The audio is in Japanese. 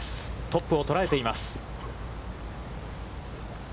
トップを捉えています。